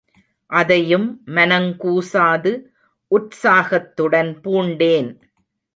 அதையும் மனங் கூசாது உற்சாகத்துடன் பூண்டேன்.